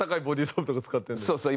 そうそう。